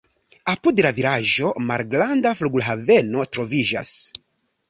Apud la vilaĝo malgranda flughaveno troviĝas.